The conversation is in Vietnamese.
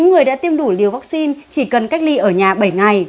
tám người đã tiêm đủ liều vaccine chỉ cần cách ly ở nhà bảy ngày